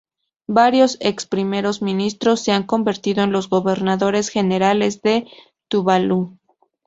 Varios ex primeros ministros se han convertido en los gobernadores generales de Tuvalu.